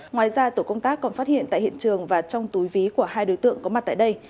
ngoài ra tổ công tác còn phát hiện tại hiện trường và trong túi ví của hai đối tượng có mặt tại đây